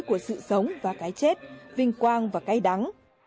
của sự sống và cái chết vinh quang và cay đắng